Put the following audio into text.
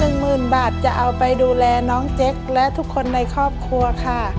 หมื่นบาทจะเอาไปดูแลน้องเจ๊กและทุกคนในครอบครัวค่ะ